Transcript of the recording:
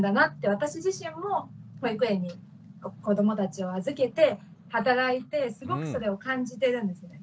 私自身も保育園に子どもたちを預けて働いてすごくそれを感じてるんですね。